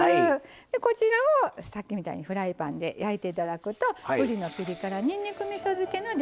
こちらをさっきみたいにフライパンで焼いて頂くとぶりのピリ辛にんにくみそ漬けの出来上がりになります。